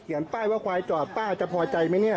เขียนป้ายว่าควายจอดป้าจะพอใจมั้ยเนี้ย